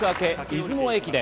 出雲駅伝。